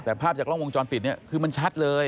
แต่ภาพจากกล้องวงจรปิดเนี่ยคือมันชัดเลย